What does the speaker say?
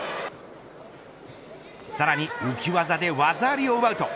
さらに浮技で技ありを奪うと。